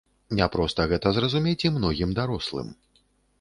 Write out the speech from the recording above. Няпроста гэта зразумець і многім дарослым.